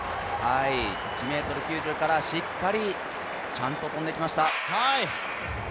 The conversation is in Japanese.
１ｍ９０からしっかり、ちゃんと跳んできました。